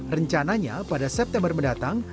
rencananya pada september mendatang